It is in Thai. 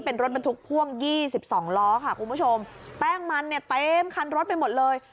เป็นรถบรรทุกพ่วง๒๒ล้อค่ะคุณผู้ชมแป้งมันเนี่ยเต็มคันรถไปหมดเลย